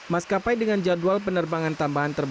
maskapai dengan jadwal penerbangan tambahan terbaik